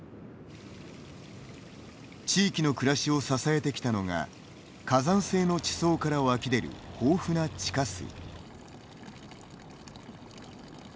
地域の暮らしを支えてきたのが火山性の地層から湧き出る豊富な地下水。